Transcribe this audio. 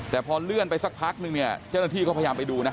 แต่พอเลื่อนไปสักพักนึงเนี่ยเจ้าหน้าที่ก็พยายามไปดูนะ